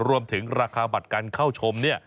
รวมถึงราคาบัตรการเข้าชม